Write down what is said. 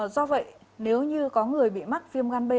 do vậy nếu như có người bị mắc viêm gan b